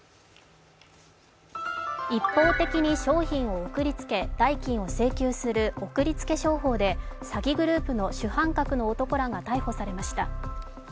一方的に商品を送りつけ代金を請求する送りつけ商法で詐欺グループの主犯格の男らが逮捕されました。